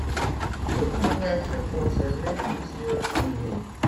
Ils peuvent être conservés plusieurs années.